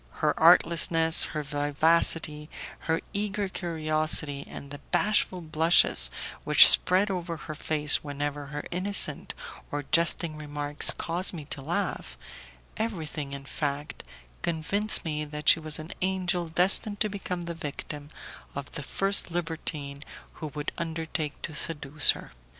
Her artlessness, her vivacity, her eager curiosity, and the bashful blushes which spread over her face whenever her innocent or jesting remarks caused me to laugh, everything, in fact, convinced me that she was an angel destined to become the victim of the first libertine who would undertake to seduce her.